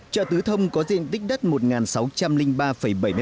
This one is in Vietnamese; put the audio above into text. chợ tứ thông có diện tích đất một sáu trăm linh ba bảy m hai